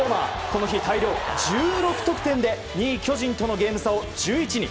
この日、大量１６得点で２位、巨人との点差を１１に。